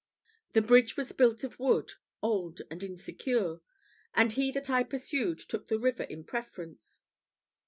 The bridge was built of wood, old and insecure; and he that I pursued took the river in preference.